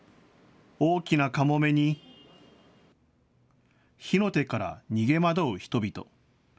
大きなカモメに、火の手から逃げ惑う人々。